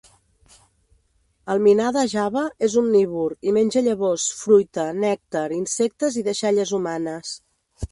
El minà de Java és omnívor i menja llavors, fruita, nèctar, insectes i deixalles humanes.